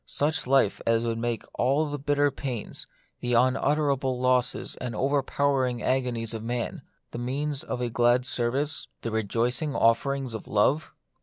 Such life as would make all the bitter pains, the unutterable losses and overpowering agonies of man, the means of a glad service, the rejoicing offerings of love